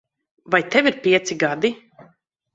Vai tev ir pieci gadi?